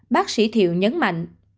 bác sĩ thiệu nhấn mạnh